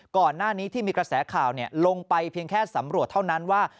ก่อนหน้านี้ที่มีกระแสข่าวลงไปเพียงแค่สำรวจเท่านั้นว่า